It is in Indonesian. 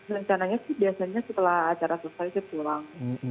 rencananya sih biasanya setelah acara selesai saya pulang